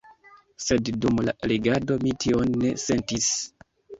Sed dum la legado mi tion ne sentis.